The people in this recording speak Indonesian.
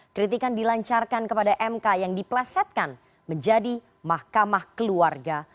kritikan dilancarkan kepada mk yang diplesetkan menjadi mahkamah keluarga